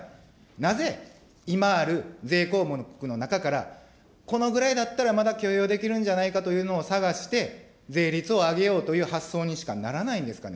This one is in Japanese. なぜ、今ある税項目の中から、このぐらいだったら、まだ許容できるんじゃないかというのを探して、税率を上げようという発想にしかならないんですかね。